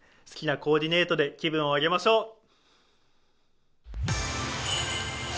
好きなコーディネートで気分を上げましょう。